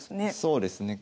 そうですね。